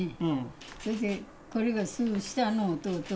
それでこれがすぐ下の弟。